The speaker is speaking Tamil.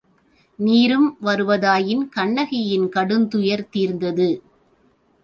நீரும் வருவதாயின் கண்ணகியின் கடுந்துயர் தீர்ந்தது.